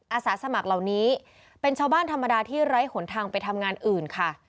อาสาสมัครเหล่านี้เป็นชาวบ้านธรรมดาที่ไร้หนทางไปทำงานอื่นค่ะ